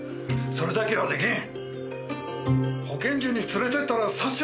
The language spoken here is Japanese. それだけはできん。